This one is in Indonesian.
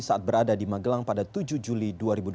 saat berada di magelang pada tujuh juli dua ribu dua puluh